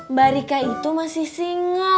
mbak rika itu masih single belum punya pacar